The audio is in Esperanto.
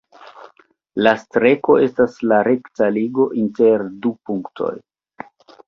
La Streko estas la rekta ligo inter du punktoj.